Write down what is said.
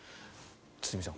堤さん